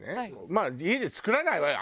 まあ家で作らないわよ